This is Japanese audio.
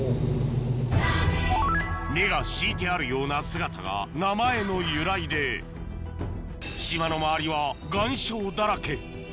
根が敷いてあるような姿が名前の由来で島の周りは岩礁だらけ